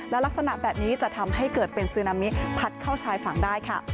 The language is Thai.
และลักษณะแบบนี้จะทำให้เกิดเป็นซึนามิพัดเข้าชายฝั่งได้ค่ะ